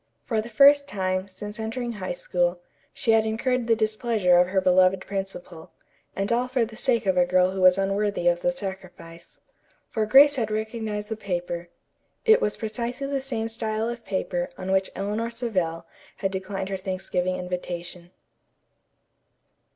For the first time, since entering High School, she had incurred the displeasure of her beloved principal, and all for the sake of a girl who was unworthy of the sacrifice. For Grace had recognized the paper. It was precisely the same style of paper on which Eleanor Savell had declined her Thanksgiving invitation.